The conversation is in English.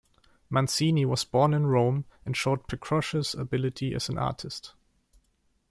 Mancini was born in Rome and showed precocious ability as an artist.